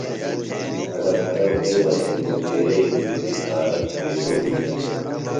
اڈپھرہ وھئ بہ سے لھوکیرئی ہجُتیۡ خارخ پیئدو بھِلیۡ ہِنیۡ